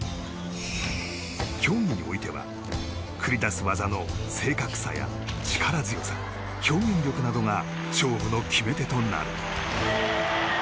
競技においては繰り出す技の正確さや力強さ表現力などが勝負の決め手となる。